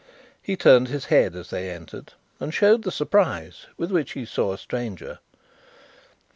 He turned his head as they entered, and showed the surprise with which he saw a stranger.